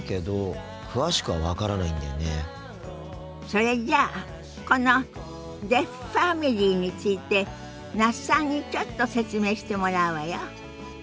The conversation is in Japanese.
それじゃあこのデフファミリーについて那須さんにちょっと説明してもらうわよ。